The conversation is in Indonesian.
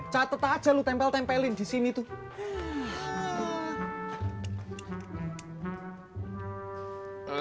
catet aja lu tempel tempelin di sini tuh